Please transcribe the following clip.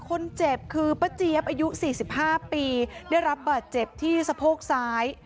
คนเจ็บคือป้าเจี๊ยบอายุ๔๕ปีได้รับบาดเจ็บที่สะโพกซ้าย